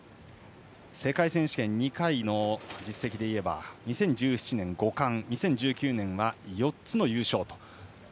世界選手権２回の実績でいえば２０１７年、５冠２０１９年、４つの優勝。